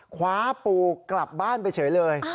คว้าปูกลับบ้านไปเฉยเลย